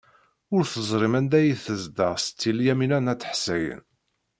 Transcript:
Ur teẓrim anda ay tezdeɣ Setti Lyamina n At Ḥsayen.